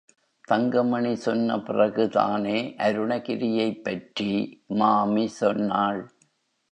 தங்கமணி சொன்ன பிறகுதானே அருணகிரியைப் பற்றி மாமி சொன்னாள்.